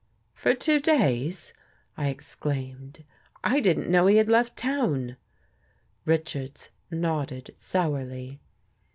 "For two days !" I exclaimed. " I didn't know he had left town." Richards nodded sourly.